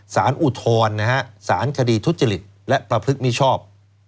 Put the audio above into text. สารอุทธรสารคดีทุษฎฤษและประพฤกษ์มิชอบ